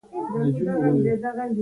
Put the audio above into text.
پښتو ته خدمت کول پر پښتنو فرض ده